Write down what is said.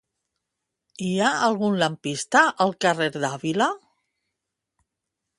Hi ha algun lampista al carrer d'Àvila?